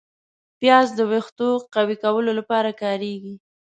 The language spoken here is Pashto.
پیاز د ویښتو قوي کولو لپاره کارېږي